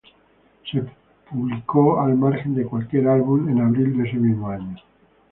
Se publicó al margen de cualquier álbum en abril de ese mismo año.